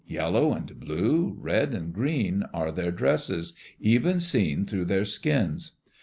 "Yellow and blue, red and green, are their dresses, even seen through their skins."